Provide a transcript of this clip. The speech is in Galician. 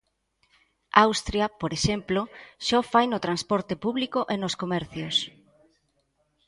Austria, por exemplo, xa o fai no transporte público e nos comercios.